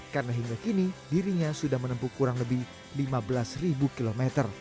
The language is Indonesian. karena hingga kini dirinya sudah menempuh kurang lebih lima belas km